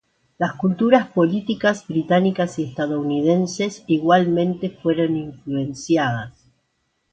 Las culturas políticas británicas y estadounidenses igualmente fueron influenciadas.